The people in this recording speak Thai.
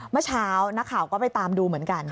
เมื่อเช้านักข่าวก็ไปตามดูเหมือนกัน